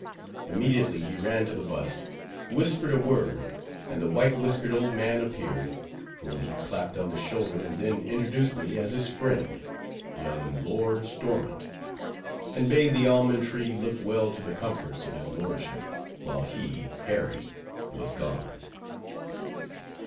Immediately he ran to the bust, whispered a word, and the white whiskered old man appeared: whom he clapped on the shoulder, and then introduced me as his friend—young Lord Stormont; and bade the almond tree look well to the comforts of his lordship, while he—Harry—was gone.